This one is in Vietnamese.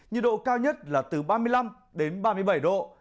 nhiệt độ cao nhất là từ ba mươi năm đến ba mươi bảy độ